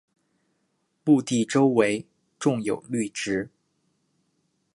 墓地周围种有绿植。